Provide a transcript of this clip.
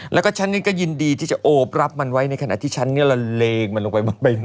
แล้วก็ฉันนี้ก็ยินดีที่จะโอบรับมันไว้ในขณะที่ฉันนี้เราเลงมันลงไป